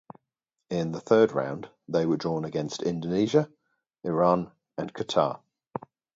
In the third round, they were drawn against Indonesia, Iran and Qatar.